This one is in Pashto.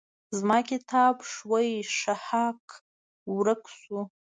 زما کتاب ښوی ښهاک ورک شو.